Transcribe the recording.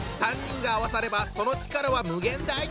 ３人が合わさればその力は無限大。